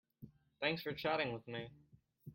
Thanks for chatting with me.